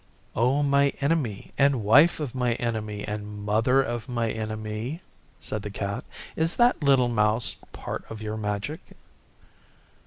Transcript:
'O my Enemy and Wife of my Enemy and Mother of my Enemy,' said the Cat, 'is that little mouse part of your magic?